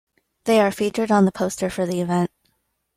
They are featured on the poster for the event.